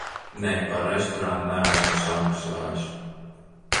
Nē, par restorānu neesmu samaksājis.